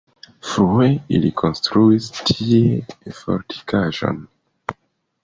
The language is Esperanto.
Frue ili konstruis tie fortikaĵon.